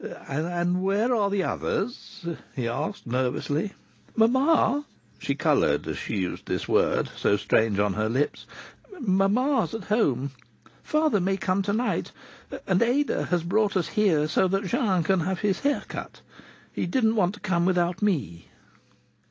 "And where are the others?" he asked nervously. "Mamma" she coloured as she used this word, so strange on her lips "mamma's at home. Father may come to night. And Ada has brought us here so that Jean can have his hair cut. He didn't want to come without me."